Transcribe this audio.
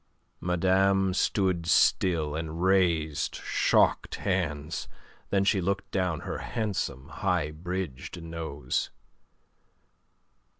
Madame stood still and raised shocked hands. Then she looked down her handsome, high bridged nose.